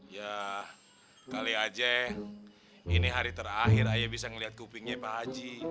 yah kali aja ini hari terakhir ayah bisa ngeliat kupingnya pak haji